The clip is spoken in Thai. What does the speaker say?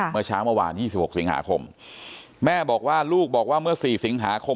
เมื่อเช้าเมื่อวาน๒๖สิงหาคมแม่บอกว่าลูกบอกว่าเมื่อ๔สิงหาคม